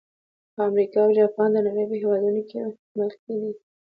امریکا او جاپان د نړۍ په هېوادونو کې مخکې دي.